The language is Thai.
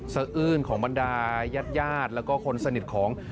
อื้นของบรรดายาดแล้วก็คนสนิทของ